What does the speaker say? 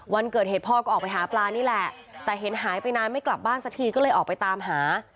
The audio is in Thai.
วันเกิดเหตุพ่อก็ออกไปหาปลานี่แหละแต่เห็นหายไปนานไม่กลับบ้านสักทีก็เลยออกไปตามหา